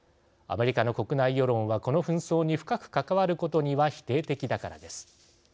アメリカの国内世論はこの紛争に深く関わることには否定的だからです。